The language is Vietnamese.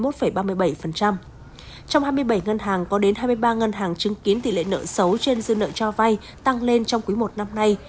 trong hai mươi bảy ngân hàng có đến hai mươi ba ngân hàng chứng kiến tỷ lệ nợ xấu trên dư nợ cho vay tăng lên trong quý i năm nay